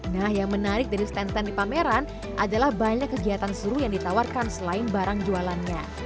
nah yang menarik dari stand stand di pameran adalah banyak kegiatan seru yang ditawarkan selain barang jualannya